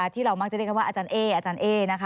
ที่เรามักจะเรียกว่าอาจารย์เออาจารย์เอ